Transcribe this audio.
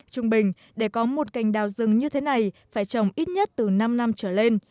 trung bình để có một cành đào rừng như thế này phải trồng ít nhất từ năm năm trở lên